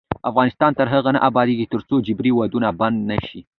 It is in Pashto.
افغانستان تر هغو نه ابادیږي، ترڅو جبري ودونه بند نشي.